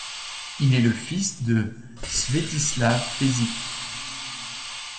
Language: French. Il est le fils de Svetislav Pešić.